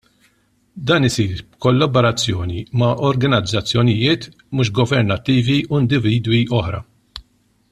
Dan isir b'kollaborazzjoni ma' organizzazzjonijiet mhux governattivi u individwi oħra.